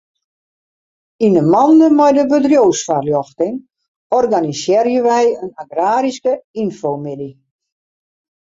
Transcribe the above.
Yn 'e mande mei de bedriuwsfoarljochting organisearje wy in agraryske ynfomiddei.